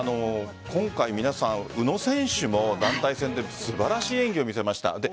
今回、皆さん宇野選手も団体戦で素晴らしい演技を見せました。